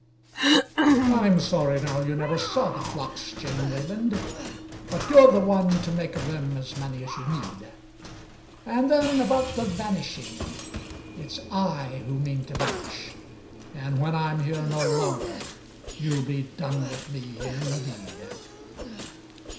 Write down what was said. "— "I'm sorry now you never saw the flocks, Jane Wayland, But you're the one to make of them as many as you need. And then about the vanishing. It's I who mean to vanish; And when I'm here no longer you'll be done with me indeed."